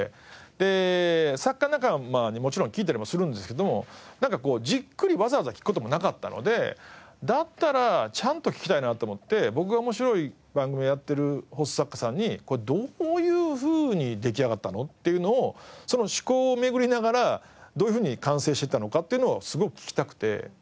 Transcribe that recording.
で作家仲間にもちろん聞いたりもするんですけどもじっくりわざわざ聞く事もなかったのでだったらちゃんと聞きたいなと思って僕が面白い番組をやってる放送作家さんに「これどういうふうに出来上がったの？」っていうのをその思考を巡りながらどういうふうに完成していったのかっていうのをすごく聞きたくて。